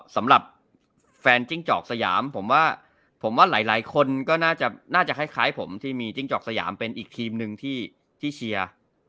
สำหรับแฟนจิ้งจอกสยามผมว่าผมว่าหลายคนก็น่าจะคล้ายผมที่มีจิ้งจอกสยามเป็นอีกทีมหนึ่งที่เชียร์